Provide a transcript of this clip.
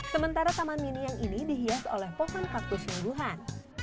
sementara taman mini yang ini dihias oleh pohon kaktus yang luhan